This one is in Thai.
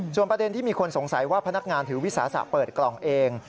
ส่วนประเด็นที่มีคนสงสัยว่าพนักงานถือวิสาสะเปิดกล่องเอง